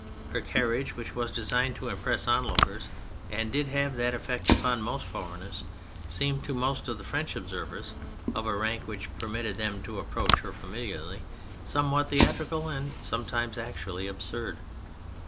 Her carriage, which was designed to impress onlookers and did have that effect upon most foreigners, seemed to most of the French observers (of a rank which permitted them to approach her familiarly) somewhat theatrical and sometimes actually absurd.